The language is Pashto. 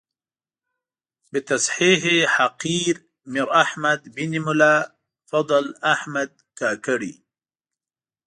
بتصحیح حقیر میر احمد بن ملا فضل احمد کاکړي.